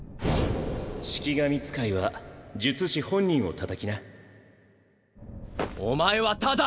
式神使いは術師本人をたたきお前はただ。